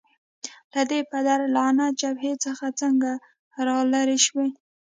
له دې پدرلعنته جبهې څخه څنګه رالیري شوې؟